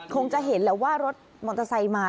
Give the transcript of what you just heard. คงจะเห็นแหละว่ารถมอเตอร์ไซค์มา